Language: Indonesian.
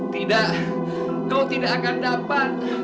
tidak kau tidak akan dapat